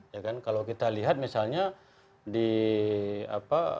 ya kan kalau kita lihat misalnya di apa